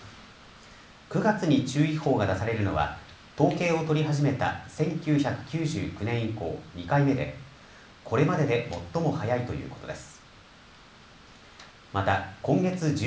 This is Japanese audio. ９月に注意報が出されるのは統計を取り始めた１９９９年以降２回目でこれまでで最も早いということです。